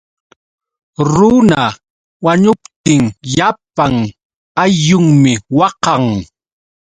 Runa wañuptin llapan ayllunmi waqan.